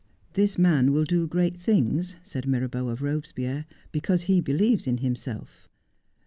'This man will do great things,' said Mirabeau of Eobespierre, 'because he believes in himself.'